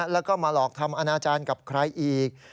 แล้วก็มาหลอกทำอนาจารย์กับใครอีก